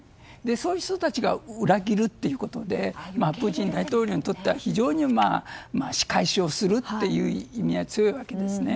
そういう人たちが裏切るということでプーチン大統領にとっては非常に仕返しをするという意味合いが強いわけですね。